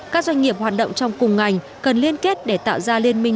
các doanh nghiệp hoạt động trong cùng ngành cần liên kết để tạo ra liên minh